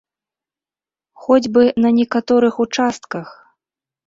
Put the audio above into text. Хоць бы на некаторых участках?